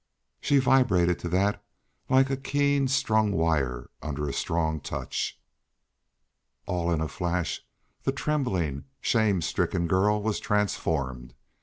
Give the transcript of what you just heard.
She vibrated to that like a keen strung wire under a strong touch. All in a flash the trembling, shame stricken girl was transformed.